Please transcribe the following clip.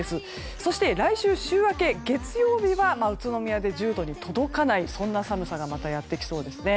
そして来週週明け、月曜日は宇都宮で１０度に届かない、そんな寒さがやってきそうですね。